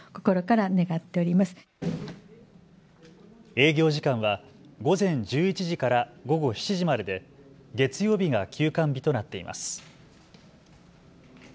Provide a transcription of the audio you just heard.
営業時間は午前１１時から午後７時までで月曜日が休館日となっています。